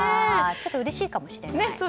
ちょっとうれしいかもしれない。